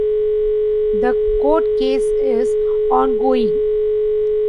The court case is ongoing.